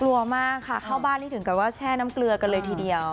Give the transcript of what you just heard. กลัวมากค่ะเข้าบ้านนี่ถึงกับว่าแช่น้ำเกลือกันเลยทีเดียว